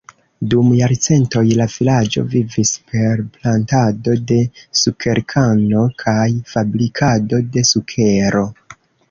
Dum jarcentoj, la vilaĝo vivis per plantado de sukerkano kaj fabrikado de sukero.